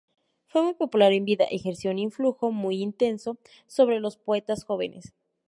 Fue muy popular en vida, ejerció un influjo muy intenso sobre los poetas jóvenes.